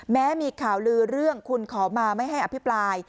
แม้มีข่าวลือเรื่องคุณขอมาไม่ให้อภิปราย